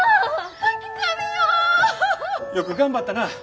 よく頑張ったな。